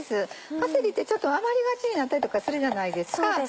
パセリって余りがちになったりとかするじゃないですか。